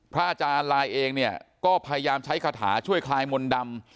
อาจารย์ลายเองเนี่ยก็พยายามใช้คาถาช่วยคลายมนต์ดำ